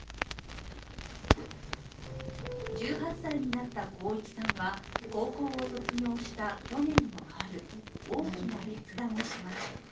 １８歳になった航一さんは高校を卒業した去年の春大きな決断をします。